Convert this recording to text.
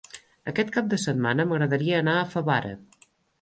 Aquest cap de setmana m'agradaria anar a Favara.